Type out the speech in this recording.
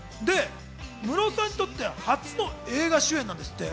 ムロさんにとって初の映画主演なんですって。